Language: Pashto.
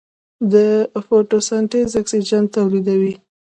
د فوټوسنتز اکسیجن تولیدوي.